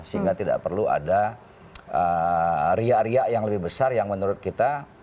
sehingga tidak perlu ada riak riak yang lebih besar yang menurut kita